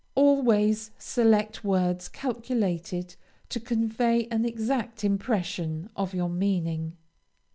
Always select words calculated to convey an exact impression of your meaning.